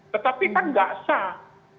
tetapi kan tidak sah